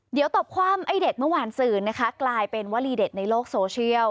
เดี๋ยวตอบความไอ้เด็ดเมื่อวานสื่อนะคะกลายเป็นวลีเด็ดในโลกโซเชียล